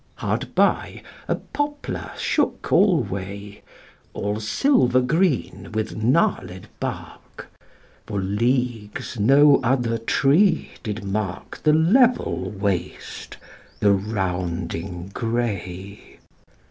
Hard by a poplar shook alway, All silver green with gnarled bark: For leagues no other tree did mark The level waste, the rounding gray.